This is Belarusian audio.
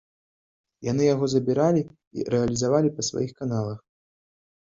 Яны яго забіралі і рэалізавалі па сваіх каналах.